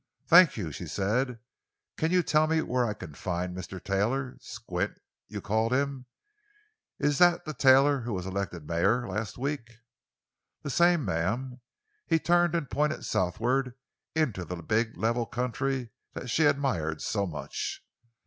"Thank you," she said. "Can you tell me where I can find Mr. Taylor—'Squint,' you called him? Is that the Taylor who was elected mayor—last week?" "The same, ma'am." He turned and pointed southward, into the big, level country that she admired so much.